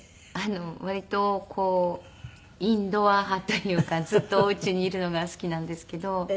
割とこうインドア派というかずっとお家にいるのが好きなんですけど。